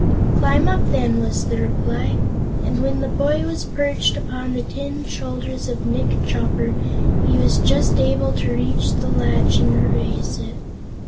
"Climb up, then," was the reply, and when the boy was perched upon the tin shoulders of Nick Chopper, he was just able to reach the latch and raise it.